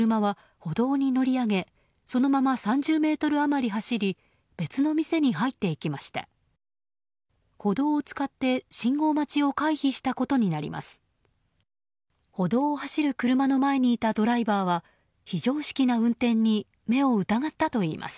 歩道を使って信号待ちを回避したことになります。